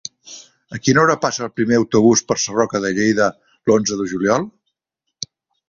A quina hora passa el primer autobús per Sarroca de Lleida l'onze de juliol?